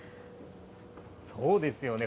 そうですよね。